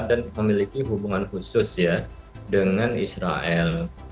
dan memiliki hubungan khusus ya dengan israel